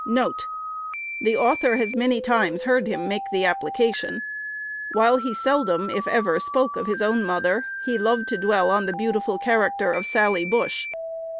2 1 The author has many times heard him make the application. While he seldom, if ever, spoke of his own mother, he loved to dwell on the beautiful character of Sally Bush.